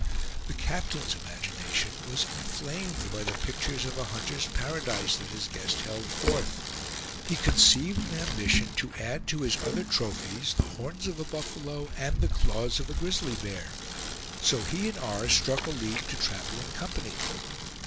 The captain's imagination was inflamed by the pictures of a hunter's paradise that his guest held forth; he conceived an ambition to add to his other trophies the horns of a buffalo, and the claws of a grizzly bear; so he and R. struck a league to travel in company.